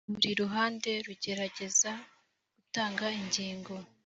Buri ruhande rugerageza gutanga ingingo